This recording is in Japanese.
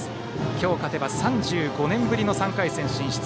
今日、勝てば３５年ぶりの３回戦進出。